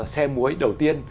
xe muối đầu tiên